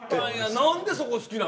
何でそこ好きなん？